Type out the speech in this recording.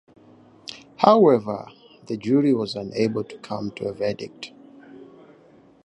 However, the jury was unable to come to a verdict.